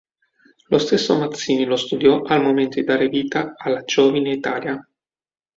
Lo stesso Mazzini lo studiò al momento di dare vita alla Giovine Italia.